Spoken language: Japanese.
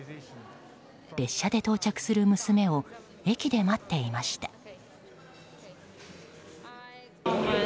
列車で到着する娘を駅で待っていました。